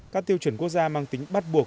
các tiêu chuẩn quốc gia mang tính bắt buộc